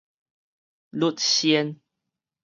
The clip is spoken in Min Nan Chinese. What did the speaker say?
甪鉎